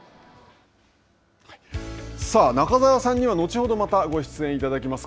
さあ、中澤さんには後ほどまたご出演いただきます。